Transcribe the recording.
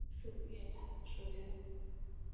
省体育馆站是一个岛式月台车站。